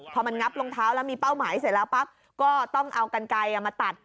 พอมันงับรองเท้าแล้วมีเป้าหมายเสร็จแล้วปั๊บก็ต้องเอากันไกลมาตัด